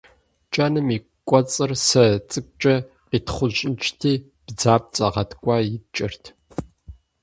КӀэным и кӀуэцӀыр сэ цӀыкӀукӀэ къиттхъунщӀыкӀти, бдзапцӀэ гъэткӀуа иткӀэрт.